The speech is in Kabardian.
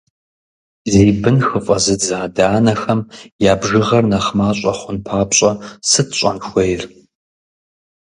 Зи бын хыфӏэзыдзэ адэ-анэхэм я бжыгъэр нэхъ мащӏэ хъун папщӏэ сыт щӏэн хуейр?